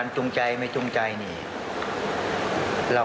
มันมีโอกาสเกิดอุบัติเหตุได้นะครับ